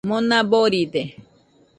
Mona boride